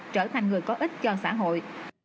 trở thành người có ích cho xã hội